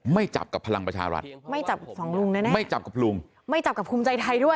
ไม่จับกับพลังประชารัฐไม่จับกับพลุงไม่จับกับภูมิใจไทยด้วย